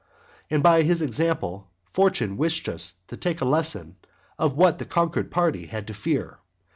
And by his example fortune wished us to take a lesson of what the conquered party had to fear.